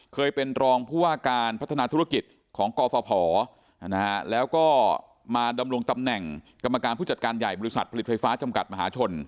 เคยเป็นรองผู้ว่าการพัฒนาธุรกิจของกฟภแล้วก็มาดำรงตำแหน่งกรรมการผู้จัดการใหญ่บริษัทผลิตไฟฟ้าจำกัดมหาชน